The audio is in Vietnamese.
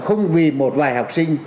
không vì một vài học sinh